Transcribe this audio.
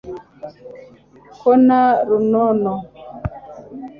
kona runono